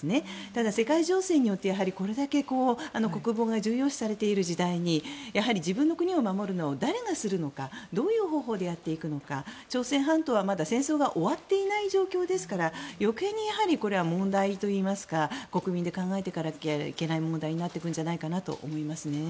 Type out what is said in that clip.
ただ世界情勢によってこれだけ国防が重要視されている時代にやはり自分の国を守るのを誰がするのかどういう方法でやっていくのか朝鮮半島はまだ戦争が終わっていない状態ですから余計にこれは問題といいますか国民で考えていかなければいけない問題になっていくんじゃないかと思いますね。